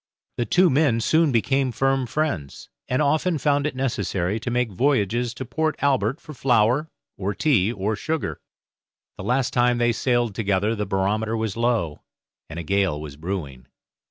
The two men soon became firm friends, and often found it necessary to make voyages to Port Albert for flour, or tea, or sugar. The last time they sailed together the barometer was low, and a gale was brewing.